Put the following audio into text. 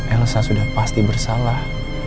elsa sudah pasti bersalah